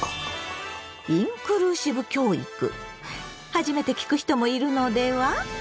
初めて聞く人もいるのでは？